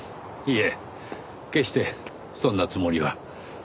いえ決してそんなつもりは。